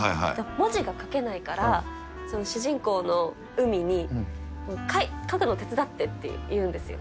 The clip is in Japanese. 文字が書けないから、主人公の海に、書くの手伝ってって言うんですよ。